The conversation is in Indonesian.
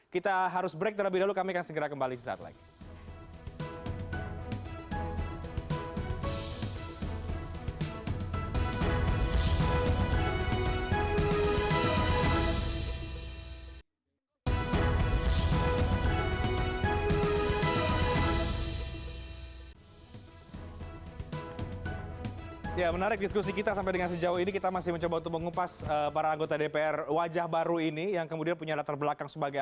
kita harus break terlebih dahulu kami akan segera kembali